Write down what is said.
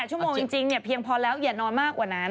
ชั่วโมงจริงเพียงพอแล้วอย่านอนมากกว่านั้น